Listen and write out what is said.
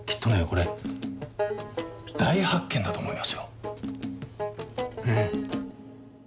これ大発見だと思いますよ。